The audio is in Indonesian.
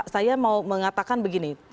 saya mau mengatakan begini